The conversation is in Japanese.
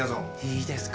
いいですか？